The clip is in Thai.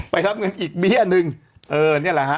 รับเงินอีกเบี้ยหนึ่งเออนี่แหละฮะ